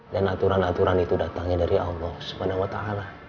dan aturan aturan itu datangnya dari allah subhanahu wa ta'ala